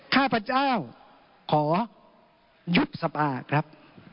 ข้าพเจ้าขอยุบสภาครับ